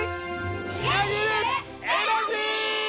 みなぎるエナジー！